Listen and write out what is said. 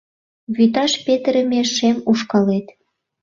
Вӱташ петырыме шем ушкалет -